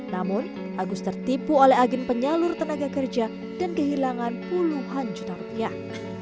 namun agus tertipu oleh agen penyalur tenaga kerja dan kehilangan puluhan juta rupiah